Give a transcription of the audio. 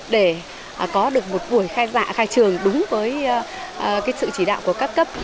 để có được một buổi khai trường đúng với sự chỉ đạo của các cấp